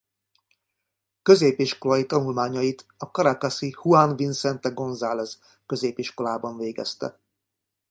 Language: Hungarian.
Középiskolai tanulmányait a caracasi Juan Vicente González középiskolában végezte.